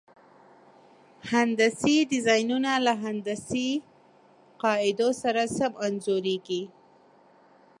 هندسي ډیزاینونه له هندسي قاعدو سره سم انځوریږي.